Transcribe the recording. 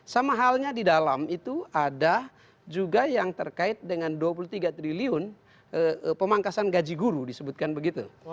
sama halnya di dalam itu ada juga yang terkait dengan dua puluh tiga triliun pemangkasan gaji guru disebutkan begitu